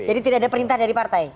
jadi tidak ada perintah dari partai